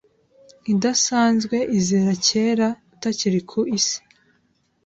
idasanzwe Izera cyera utakiri ku isi